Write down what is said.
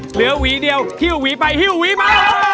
เหลือหวีเดียวหิ้วหวีไปหิ้วหวีไป